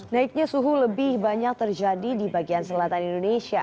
naiknya suhu lebih banyak terjadi di bagian selatan indonesia